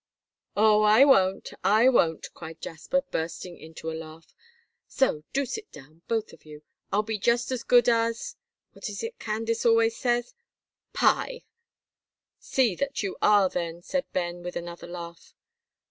"Oh, I won't, I won't," cried Jasper, bursting into a laugh, "so do sit down, both of you. I'll be just as good as what is it Candace always says pie!" "See that you are then," said Ben, with another laugh.